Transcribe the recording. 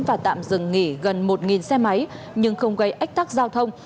và tạm dừng nghỉ gần một xe máy nhưng không gây ách tắc giao thông